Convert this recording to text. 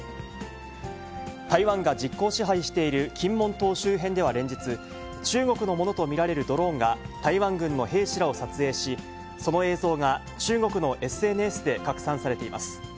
台湾が実効支配している金門島周辺では連日、中国のものと見られるドローンが台湾軍の兵士らを撮影し、その映像が中国のＳＮＳで拡散されています。